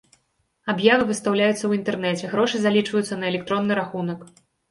Аб'явы выстаўляюцца ў інтэрнэце, грошы залічваюцца на электронны рахунак.